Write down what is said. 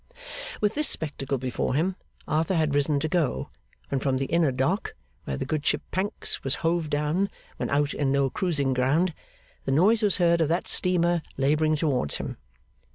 With this spectacle before him, Arthur had risen to go, when from the inner Dock where the good ship Pancks was hove down when out in no cruising ground, the noise was heard of that steamer labouring towards him.